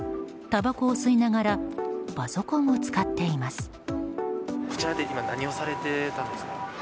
たばこを吸いながらパソコンを使っています。